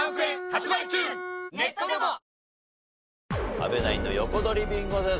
阿部ナインの横取りビンゴです。